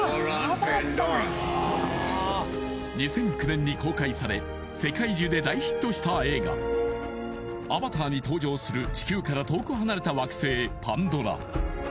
２００９年に公開され世界中で大ヒットした映画「アバター」に登場する地球から遠く離れた惑星パンドラ